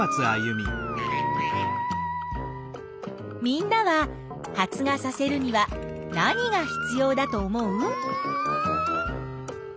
みんなは発芽させるには何が必要だと思う？